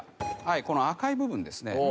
この赤い部分ですね。